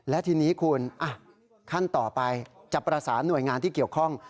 และทีนี้คุณขั้นต่อไปจะประสานหน่วยงานที่เกี่ยวข้อง